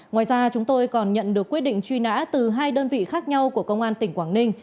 ngoài ra chúng tôi còn nhận được quyết định truy nã từ hai đơn vị khác nhau của công an tỉnh quảng ninh